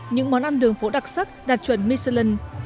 những món ăn đường phố đặc sắc đạt chuẩn michelland